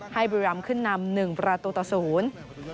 ให้บริรามขึ้นนำ๑ประตูตะสูง